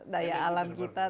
daya alam kita